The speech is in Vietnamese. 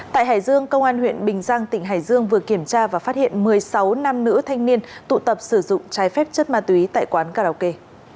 tại hải dương công an huyện bình giang tỉnh hải dương vừa kiểm tra và phát hiện một mươi sáu nam nữ thanh niên tụ tập sử dụng trái phép chất ma túy tại quán karaoke